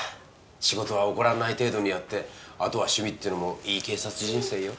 仕事は怒らんない程度にやってあとは趣味っていうのもいい警察人生よ。